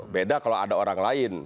beda kalau ada orang lain